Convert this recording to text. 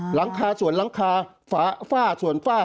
หลังคาส่วนหลังคาฝ้าส่วนฝ้า